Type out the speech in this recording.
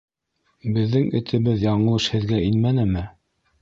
— Беҙҙең этебеҙ яңылыш һеҙгә инмәнеме?